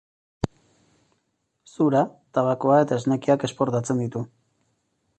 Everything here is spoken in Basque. Zura, tabakoa eta esnekiak esportatzen ditu.